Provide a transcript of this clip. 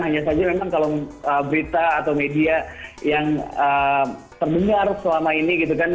hanya saja memang kalau berita atau media yang terdengar selama ini gitu kan